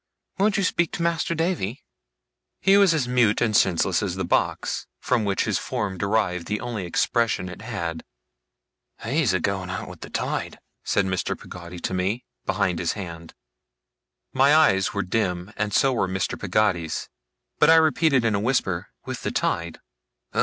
Won't you speak to Master Davy?' He was as mute and senseless as the box, from which his form derived the only expression it had. 'He's a going out with the tide,' said Mr. Peggotty to me, behind his hand. My eyes were dim and so were Mr. Peggotty's; but I repeated in a whisper, 'With the tide?